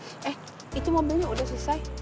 eh itu mobilnya udah selesai